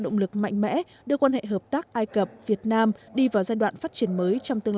động lực mạnh mẽ đưa quan hệ hợp tác ai cập việt nam đi vào giai đoạn phát triển mới trong tương